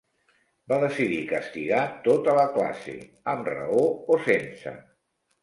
Va decidir castigar tota la classe, amb raó o sense.